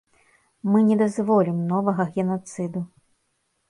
Мы не дазволім новага генацыду.